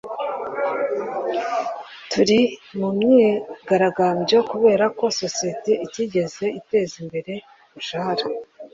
turi mu myigaragambyo kubera ko sosiyete itigeze iteza imbere umushahara